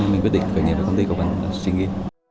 nên mình quyết định khởi nghiệp với công ty của mình là stringy